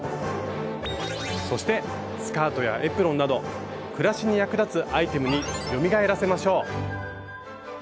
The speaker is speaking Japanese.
そしてスカートやエプロンなど暮らしに役立つアイテムによみがえらせましょう。